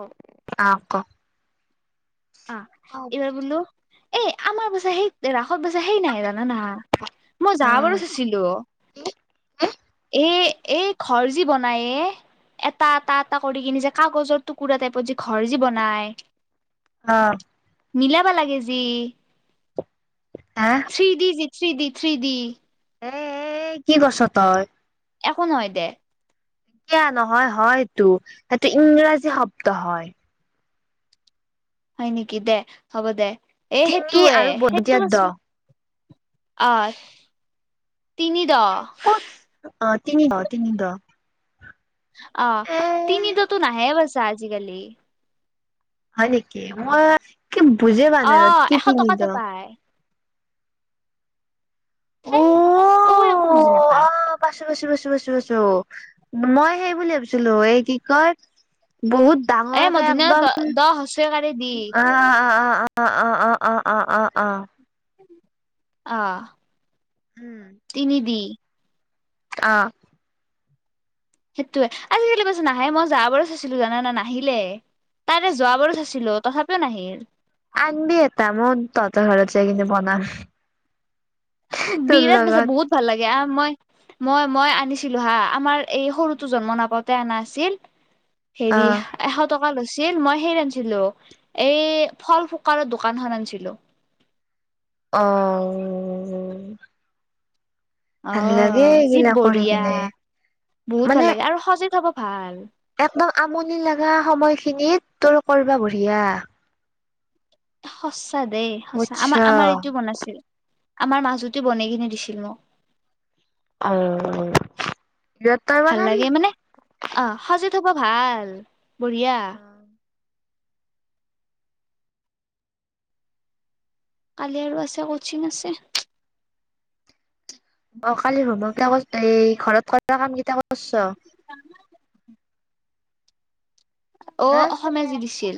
অ আ, ক আ, অ এইবাৰ বোলো, এ, আমাৰ পাছে সেই দে, ৰাসত বেচা সেই নাই, জানা না? মই যোৱা বাৰো চাইছিলো এ, এই ঘৰ যি বনাই এটা, এটা, এটা কৰি কিনে যে, কাগজৰ টুকুৰা টাইপত যি, ঘৰ যি বনাই অ'। মিলাব লাগে যি [unintelligible] থ্ৰী ডি জি, থ্ৰী ডি- থ্ৰী ডি। এ, কি কৈছ তই। একো নহয় দে। কিয়া নহয় হয়টো, সেইটো ইংৰাজী শব্দ হয়। হয় নেকি দে, হ'ব দে, এ তিনি সেইটো এ, আৰু সেইটো বদতিয়াত দ আছো অ', তিনি দ ক'ত অ', তিনি [unintelligible] অ', এ তিনিদতো নাহে বুইছা আজিকালি। হয় নেকি, মই কি বুজি পোৱা অ নাই ৰ কি এশ টকাতে [unintelligible] পায় অ সেই, তই একো বুজি নাপা। অ পাইছো পাইছো- পাইছো- পাইছো- পাইছো, মই সেই বুলি ভাবিছিলো এই কি কয় বহুত ডাঙৰকে এ একদম, মধুৰিআম দ অ', দ অ', অ', হচুকাৰে দি অ', অ', অ', অ', অ', অ', অ', অ'। অ', উম তিনি দি। অ'। সেইটোয়ে, আজিকালি পাছে নাহে, মই যোৱাবাৰো চাইছিলো জানানা নাহিলে। তাৰে যোৱাবাৰো চাইছিলো, তথাপিও নাহিল। আনবি এটা মই তহতৰ ঘৰত যাই কিনে বনাম। তোৰ বিৰাট বেচে লগত বহুত ভাল লাগে, আ মই মই- মই আনিছিলো হা, আমাৰ এই সৰুটো জন্ম নাপাওঁতে আনা আছিল, হেৰি অ', এশ টকা লৈছিল, মই সেই আনছিলো, এই ফল ফুকাৰৰ দোকানখন আনছিলো। অ'। উম। অ', যি এইগিলা কৰি বঢ়িয়া, কিনে বহুত ভাল মানে লাগে আৰু সজে থ'ব ভাল। একদম আমনি লগা সময়খিনিত তোৰ কৰবা বঢ়িয়া। সঁচা দেই সঁচা, আমাৰ- বুজছা আমাৰ এইটো বনাইছিল, আমাৰ মাজুটোৱে বনাই কিনে দিছিল মোক। অ', ইয়াত ভাল লাগে মানে, অ', সজে থ'ব ভাল, বঢ়িয়া। কালি আৰু আছে, কচিং আছে। অ', কালি হোমৱৰ্ক কেইটা [unintelligible] এই ঘৰত কৰা কাম কেইটা কৰছ। [inaudible] হা অ', অসমীয়া যে দিছিল।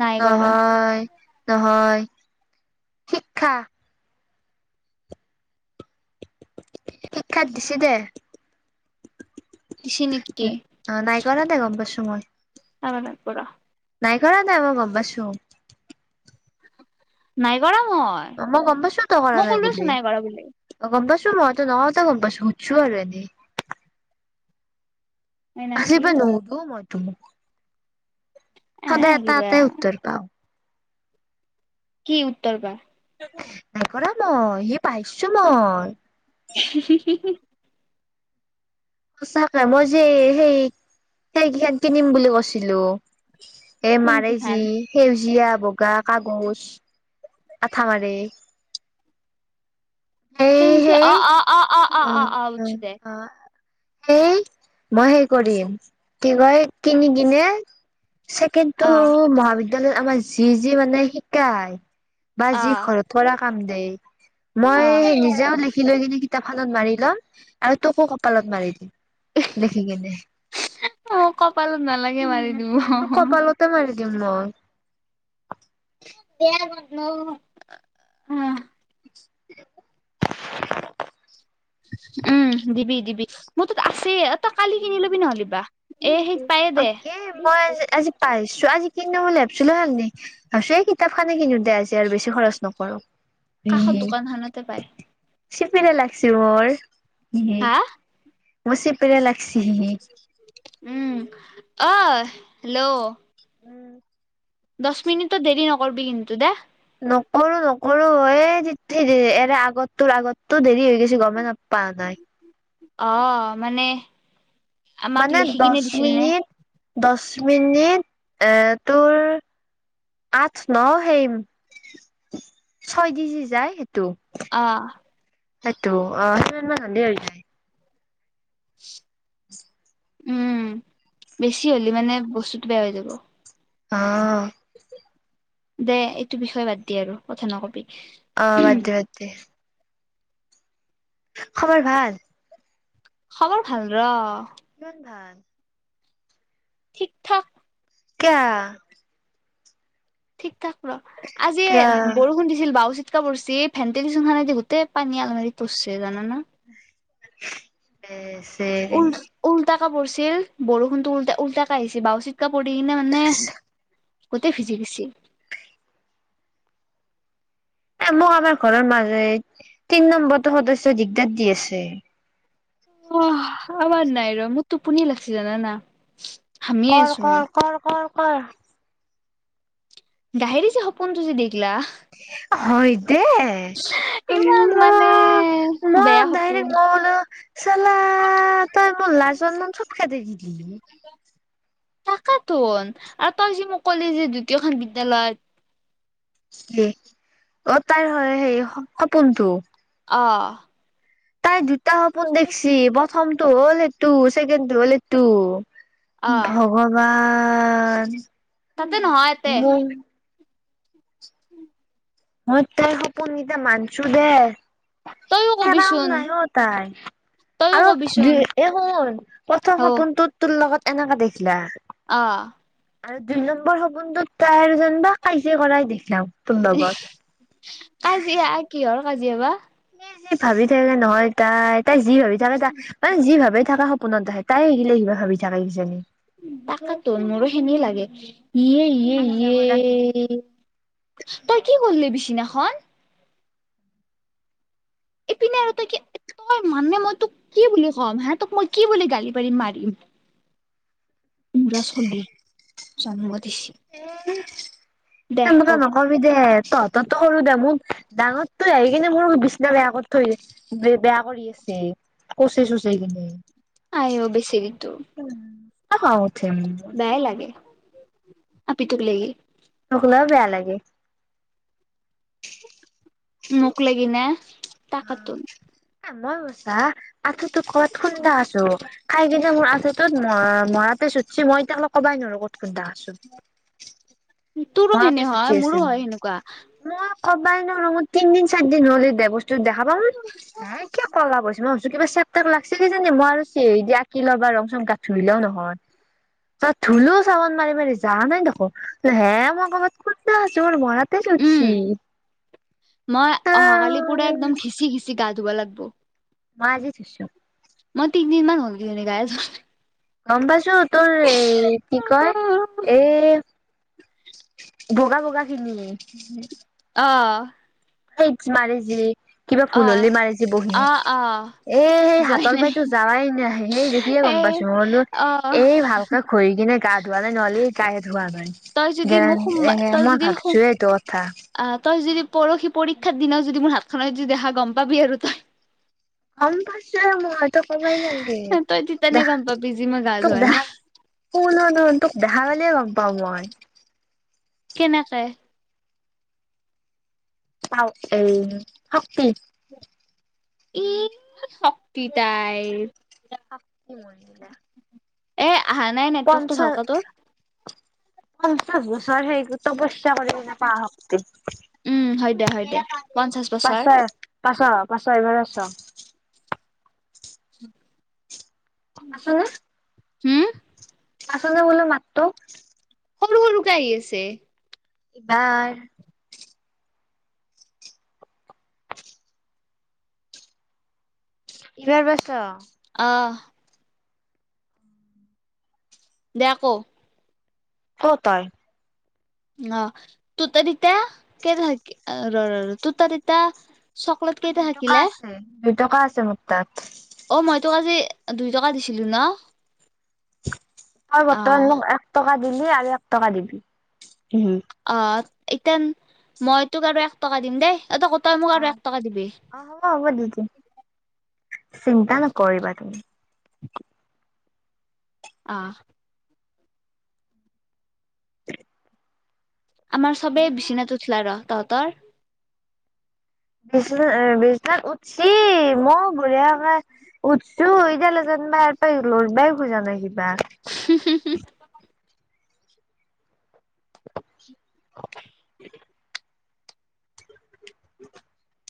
নাই কৰা নহয়- নহয়, শিক্ষা। শিক্ষাত দিছে দে। দিছে নেকি হয়, অ', নাই কৰাদে গম পাইছো মই। অ', নাই কৰা। নাই কৰা দে‌, মই গম পাইছো। নাই কৰা মই। অ', মই গম পাইছো তই কৰা মই নাই ক'লোৱেচোন বুলি। কৰা বুলি অ', গম পাইছো মই, তই নকওঁতে গম পাইছো, সুধছো আৰু এনে। হয় নাকি আজিৰ পৰা নুশুধো মই তোক। এ সদায় এটা কিবা এটাই উত্তৰ পাওঁ। কি উত্তৰ পা। নাই কৰা মই, সেই পাইছোঁ মই। [inaudible] সঁচাকে মইযে এই সেই সেইকিখান কিনিম বুলি কৈছিলো। এ কোন মাৰে যি কিখান সেউজীয়া বগা কাগজ, আঠা মাৰে। সেই সেউজীয়া সেই অ', অ', অ', অ', অ', অ', বুদচু দে। এই মই সেই কৰিম কি কয় কিনি কিনে ছেকেণ্ডটো অ মহাবিদ্যালয়ত আমাৰ যি যি মানে শিকায় বা অ যি ঘৰত ধৰা কাম দেই অ মই নিজেও লি লিখি লৈ কিনে কিতাপখনত মাৰি লম আৰু তোকো কপালত মাৰি দিম লেখি কিনে। অ', কপালত নালাগে মাৰি দিব অ'। তই মাৰি দিম মই। [unintelligible] [inaudible] উম, দিবি দিবি মোৰ তাত আছে অ', তই কালি কিনি ল'বি নহ'লিবা এ সেই অকে, মই আজি আজি পাইছো আজি আজি কিনো বুলি ভাবছিলো হালনি। ভাবিছোঁ এই কিতাপ খনে কিনো দে আজি আৰু বেছি খৰচ নকৰো। কাষত দোকান খনতে পায়। চিপিৰে লাগছি মোৰ, হা মোৰ চিপিৰে লাগিছে। উম, অই হেল্ল? উম। দহ মিনিটটো দেৰি নকৰিবি কিন্তু দে। নকৰো নকৰো এই এৰে আগত তোৰ আগততো দেৰি হৈ গৈছ গ'মে নাপ পাৱা নাই। অ', মানে আমাক মানে লিখি কিনে দছ দিছিল নে মিনিট, দছ মিনিট এ তোৰ আঠ, ন, সেই ছয় দি যি যায় সেইটো। অ'। সেটো অ', [unintelligible] উম, বেছি হলি মানে বস্তুটো বেয়া হৈ যাব। অ'। দে এইটো বিষয়ে বাদ দি আৰু কথা নকবি। অ', বাদ দে বাদ দে। খবৰ ভাল? খবৰ ভাল ৰ'। কিমান ভাল? ঠিক ঠাক। কিয়া? ঠিক ঠাক ৰ' আজি কিয়া বৰষুণ দিছিল বাওজি [unintelligible] পৰিছি ভেন্টিলেছন খনেদি গোটেই পানী আলমাৰিত পৰছি জানানা? [unintelligible] উলটাকে পৰছিল বৰষুণটো উল-উলটাকে আহিছি বাও চিটকা পৰি কিনে মানে গোতে ভিজি গেছি। এ মোক আমাৰ ঘৰৰ মালিক তিন নম্বৰটো সদস্যই দিগদাৰ দি আছে। অ', আমাৰ নাই ৰ' মোৰ তোপনি লাগছি জানানা? হামিয়ে কৰ, আছো কৰ, মই কৰ, কৰ, কৰ। ডাহেৰি যে সপোনটো যে দিখলা। হয় দে। হে অ' ইমান মানে ম- মই বেয়া ডাইৰেক, সপোন মই বোলো চাল্লা তই মোৰ লাজ সন্মান চব খেদি দিলি। তাকেতোন আৰু তই যে মোক কলি যে দ্বিতীয়খন বিদ্যালয় হে অ' তাইৰ হয় হেৰি সপোনটো অ'। তাই দুটা সপোন দেখছি প্ৰথমটো হ'ল সেটো, ছেকেণ্ড টো হ'ল এটো। আহ ভগৱান। তাতে নহয় এতে মোৰ মই তাইৰ সপোনকেইটা মানছো দে, তইও খেলাও কবিচোন নাই ও তাই। তইও আৰু কবিচোন দু- এই শুন প্ৰথম অ সপোনটো তোৰ লগত এনেকা দেখলা অ'। আৰু দুই নম্বৰ সপোনটোত তাই যেনিবা কাজিয়া কৰাই দেখলাক তোৰ লগত। কাজিয়া? কিহৰ কাজিয়া বা? ভাবি থাকে নহয় তাই, তাই যি ভাবি থাকে তাই, মানে যি ভাবি থাকে সপোনত দেখে। তাইয়ে এইগিলাক কিবা ভাবি থাকে কিজানি। তাকেতো মোৰো সেনে লাগে। ইয়ে, ইয়ে, কাজিয়া কৰা কিবা ইয়ে তই কি কৰলি বিছিনাখন? ইপিনে আৰু তই কি তই মানে মই তোক কি বুলি ক'ম হা তোক মই কি বুলি গালি পাৰিম মাৰিম। মূৰা চলি জন্ম দিছি। দে কওক [unintelligible] নকবি দে তঁহতৰটো সৰু দে, মোৰ ডাঙৰতো আহি কিনে মোৰ বিচনা বেয়া কৰি থৈ দিছি। বেয়া কৰি আছে, কোচে চোচে কিনে আইও বেছেৰিটো। [inaudible] [unintelligible] বেয়াই লাগে, আপিতোক লেগি। [unintelligible] বেয়া লাগে। মোক লেগি নে? তাকেতো অ' মই [unintelligible] আঁঠুটোত ক'বাত খুন্দা আছো, খাই কিনে মই আঁঠু টোত মৰা, মৰাতেজ উঠছি, মই এতিয়াক লেগি ক'বাই নোৱাৰো ক'ত খুন্দা খাইছো। তোৰো সেনে চুটছি হয়, আছে মোৰো মোৰ। হয় সেনেকুৱা। মই ক'বাই নোৱাৰো মোৰ তিনদিন চাৰি দিন হ'ল সেইটো বস্তু দেখা পাওঁ। [unintelligible] চেক টেক লাগিছে কি জানি মই আৰু আকি লবা ৰং চং ধুই লও নহয়, তাত ধুলো চাবোন মাৰি মাৰি যা নাই দেখো হে মই ক'বাত খুন্দা খাইছো মোৰ মৰা তেজ উম উঠছি। মই অহাকালি পুৰা একদম ঘিচি ঘিচি গা ধুব লাগিব। মই আজি ধুইছোঁ। মই তিনিদিন মান হ'ল কিজানি গায়ে ধোৱা নাই। গম পাইছো, তোৰ এই কি কয় এ বগা বগা খিনি অ'। [unintelligible] মাৰে যি কিবা অ ভুল হ'লে মাৰে যে বহি এ অ অ সেই যোৱাই নাই হাতৰ পাইতো যোৱাই নাই, সেই দেখিয়ে গম এ পাইছো মোৰ না অ এই ভালকে ঘঁহি কিনে গা ধোৱা নাই, নহ'লে গায়েই ধোৱা তই যদি মোক নাই। এ মই ভাবছোৱাই এইটো কথা। আ তই যদি পৰহি পৰীক্ষাৰ দিনা যদি মোৰ হাতখনত যদি দেখা, গম পাবি আৰু তই। গম পাইছোঁয়েই মই তোক কবই নালাগে, তই তেতিয়ানে দেখা, গম পাবি যি মই গা তোক ধোৱা নাই দেখা। কোন হয় ন, তোক দেখা পালেই গম পাও মই। কেনেকে? [unintelligible] শক্তি ই শক্তি তাইৰ। এ আহা নাই [unintelligible] নেটৱৰ্কটো পঞ্চ ভালকে তোৰ পঞ্চাশ বছৰ হৈ গ'ল। তপস্যা কৰিব নাপাহৰো উম [unintelligible] হয় দে হয় দে পঞ্চাশ বছৰ পাঁচ পাঁচ এইফালে চাওঁক। [inaudible] উম। হম। আচনে বোলো মাতটো। সৰু সৰু কে আহি আছে। ভাৰ। [unintelligible] ব্যস্ত অঁ। বেয়া ক। কওঁ তই? অ তোতা দিতা কে থাক তোত তা দুই টকা আছে মোৰ তাত। অ মই তোক আজি দুই টকা দিছিলো ন? তই অ বৰ্তমান মোক এক টকা দিলি আৰু এক টকা দিবি। অ এতিয়া মই তোক আৰু এক টকা দিম দেই, তই মোক অ আৰু এক টকা দিবি। অ হ'ব হ'ব দি দিম, চিন্তা নকৰিবা তুমি। অ। আমাৰ চবে তুমি বিছিনাত উঠিলে ৰ তহঁতৰ? বিছনা এ বিছনা উঠছি মই বঢ়িয়াকে উঠছো, এতিয়ালৈ যেনবা পা লৰ বাই খোজা নাই কিবা। [unintelligible] [unintelligible] [inaudible]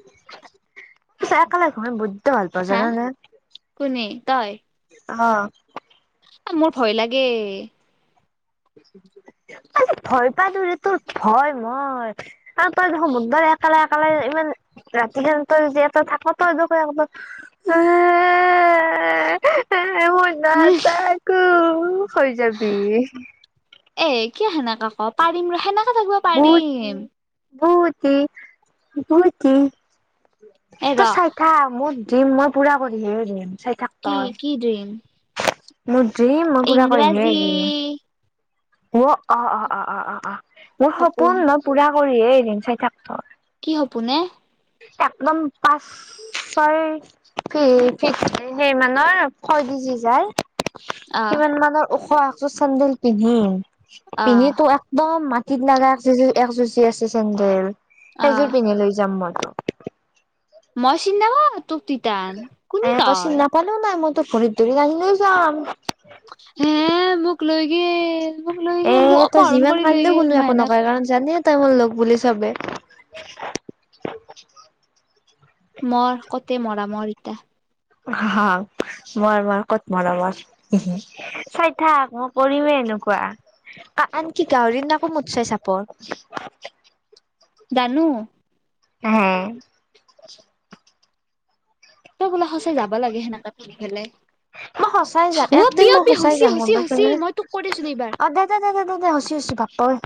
[inaudible] [unintelligible] বদ্য ভাল পাওঁ হা জানা নে কোনে তই অ' মোৰ ভয় লাগে। ভয় পদুৰি তোত ভয় মই। আৰু তই দে সমুদৰ একেলে একেলে ইমান ৰাতিহে তই যিহেতু থাক তই [unintelligible] [unintelligible] মই নাথাকো হৈ যাবি। এ কিয় সেনেকা ক, পাৰিম ৰ সেনে ভূতনি ভূতি ভূতি। এ ৰ তই চাই থাক, মোৰ ড্ৰিম মই পুৰা কৰিহে এৰিম চাই থাক। কি তই কি ড্ৰিম? মোৰ ড্ৰিম মই পুৰা কৰিহে ইংৰাজী এৰিম। ওঅ অ', অ', অ', অ', অ', অ', মোৰ সপোন ন পুৰা কৰিহে এৰিম চাই থাক ত কি সপোন এ? একদম পাঁচ [unintelligible] কিমান মানৰ ওখ আহ একযোৰ চেন্দেল পিন্ধিম পিন্ধি আহ তো এক দম মাটিত লাগা আছে যে এক চুজি আছে চেন্দেল সেইযোৰ আহ পিন্ধি লৈ যাম মই। তোক মই চিনি নাপাওঁ তোক তিতান কুনি তই [unintelligible] মইতো ভৰিত ধৰি আহিলৈ যাম। হে মোক লৈ গেইল মোক লৈ এ গেইল মোক তই অপহৰণ কৰি লৈ গেইল মই এনে [unintelligible] [unintelligible] লোক বুলি চাবে মৰ কতে মৰা মৰ ইতয়া হা মৰা মৰা ক'ত মৰা মাৰ চাই থাক মই কৰিমে এনেকুৱা। আ, আনকি গাহৰিৰ নাকো মুতচে চাপৰ দানু হা অ', বোলো সচাই যাব লাগে সেনেকা ফেলে মই সঁচাই যাম অ', একদিন পিয় মই পি সঁচাই হচি যাম গম হচি পাইছ হচি নে। মই তোক কৰিছো এইবাৰ [unintelligible] হচি হচি বাপ্পা ঐ